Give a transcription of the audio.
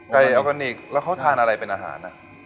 กลายอัลกอเนคแล้วเค้าทานอะไรเป็นอาหาร